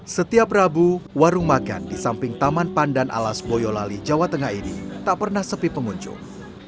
setiap rabu warung makan di samping taman pandan alas boyolali jawa tengah ini tak pernah sepi pengunjung